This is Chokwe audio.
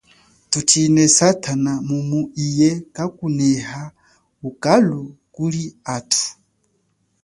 Tuchine satana mumu iye kakuneha ukalu kuli atu.